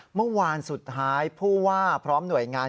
เมื่อวานสุดท้ายผู้ว่าพร้อมหน่วยงาน